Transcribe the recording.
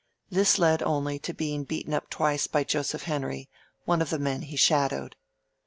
This led only to his being beaten up twice by Joseph Henry, one of the men he shadowed.